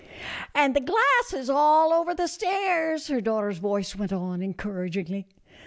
" And the glass is all over the stairs," her daugh ter's voice went on, encouragingly.